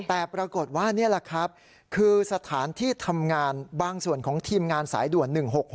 แต่ปรากฏว่านี่แหละครับคือสถานที่ทำงานบางส่วนของทีมงานสายด่วน๑๖๖